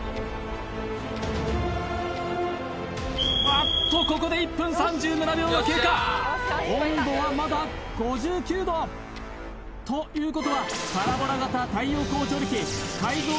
あっとここで３７秒が経過温度はまだ５９℃ということはパラボラ型太陽光調理器改造